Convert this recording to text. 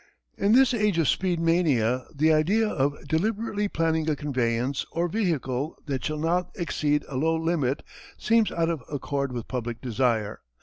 In this age of speed mania the idea of deliberately planning a conveyance or vehicle that shall not exceed a low limit seems out of accord with public desire.